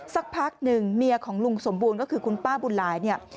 สักพักหนึ่งเมียของลุงสมบูรณ์ก็คือคุณป้าบุญหลายเนี่ย